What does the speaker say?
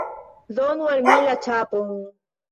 Donu al mi la ĉapon!